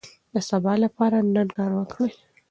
د سبا لپاره نن کار وکړئ.